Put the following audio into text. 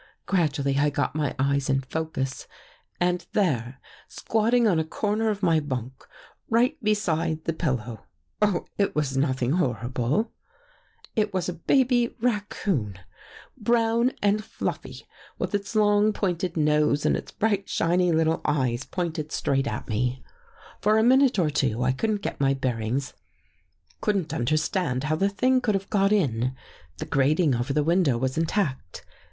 Gradually I got my eyes in focus and there, squatting on a corner of my bunk, right beside the pillow — oh, it was nothing horrible !— it was a baby raccoon, brown and fluffy, with its long pointed nose and its bright shiny little eyes pointed straight at me. " For a minute or two I couldn't get my bearings — couldn't understand how the thing could have got in. The grating over the window was intact.